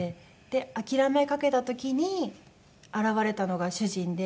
諦めかけた時に現れたのが主人で。